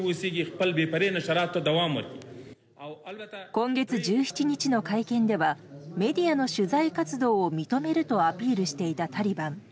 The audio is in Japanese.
今月１７日の会見ではメディアの取材活動を認めるとアピールしていたタリバン。